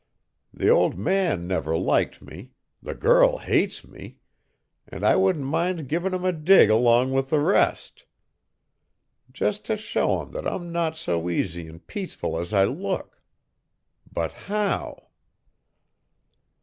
The old man never liked me, the girl hates me, and I wouldn't mind giving 'em a dig along with the rest. Just to show 'em that I'm not so easy an' peaceful as I look! But how?"